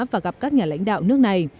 và gặp các nhà lãnh đạo nước này